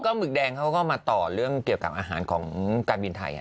หมึกแดงเขาก็มาต่อเรื่องเกี่ยวกับอาหารของการบินไทย